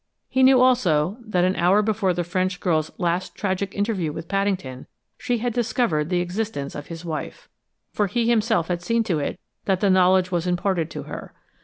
He knew also that an hour before the French girl's last tragic interview with Paddington, she had discovered the existence of his wife, for he himself had seen to it that the knowledge was imparted to her.